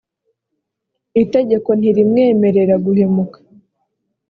itegeko ntirimwemerera guhemuka.